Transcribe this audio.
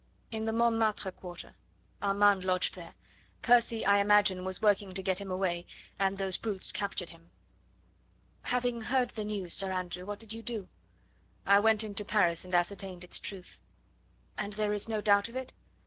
"In the Montmartre quarter. Armand lodged there. Percy, I imagine, was working to get him away; and those brutes captured him." "Having heard the news, Sir Andrew, what did you do?" "I went into Paris and ascertained its truth." "And there is no doubt of it?"